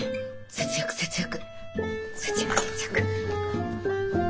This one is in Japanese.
節約節約。